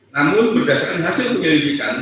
namun berdasarkan hasil penyelidikan